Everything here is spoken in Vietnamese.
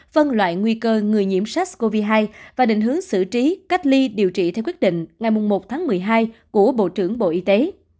phân loại nguy cơ người nhiễm sars cov hai và định hướng xử trí cách ly điều trị theo quyết định ngày một tháng một mươi hai của bộ trưởng bộ y tế